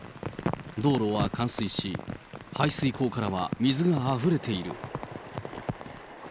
道路は冠水し、排水溝からは水があふれている。